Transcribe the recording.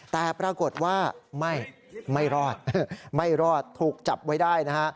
แต่ปรากฏว่าไม่รอดไม่รอดถูกจับไว้ได้นะฮะ